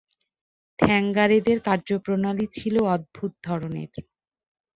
ঠ্যাঙাড়েদের কার্যপ্রণালী ছিল অদ্ভুত ধরনের।